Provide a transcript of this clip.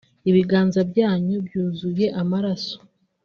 ibiganza byanyu byuzuye amaraso